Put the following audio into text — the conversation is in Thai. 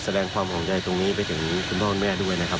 ขอแสดงความหอมใจตรงนี้ไปถึงคนพ่อคนแม่ด้วยนะครับ